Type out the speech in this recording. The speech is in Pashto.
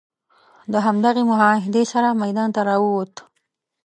د همدغې معاهدې سره میدان ته راووت.